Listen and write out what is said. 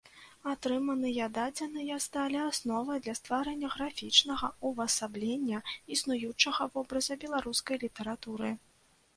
Атрыманыя дадзеныя сталі асновай для стварэння графічнага ўвасаблення існуючага вобраза беларускай літаратуры.